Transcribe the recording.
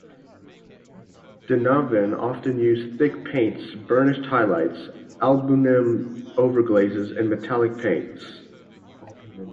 Donovan often used thick paints, burnished highlights, albumen overglazes and metallic paints.